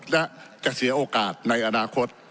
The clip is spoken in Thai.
และจะเสียโอกาสในอนาคต